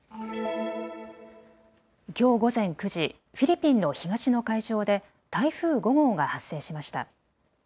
きょう午前９時、フィリピンの東の海上で台風５号が発生しました。